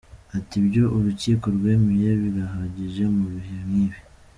Ati “Ibyo urukiko rwemeye birahagije mu bihe nk’ibi.